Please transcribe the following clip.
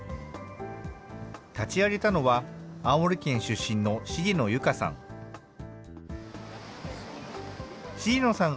立ち上げたのは、青森県出身の重野由佳さん。